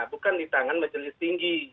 bukan di tangan majelis tinggi